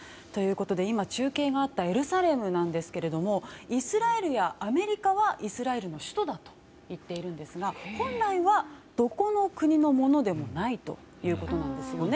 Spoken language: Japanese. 今、中継があったエルサレムなんですけれどもイスラエルやアメリカはイスラエルの首都だと言っているんですが本来はどこの国のものでもないということなんですよね。